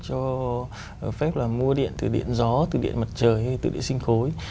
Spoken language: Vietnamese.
cho phép là mua điện từ điện gió từ điện mặt trời hay từ điện sinh khối